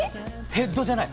ヘッドじゃない。